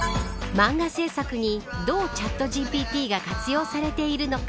漫画制作にどうチャットＧＰＴが活用されているのか。